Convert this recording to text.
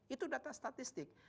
itu data statistik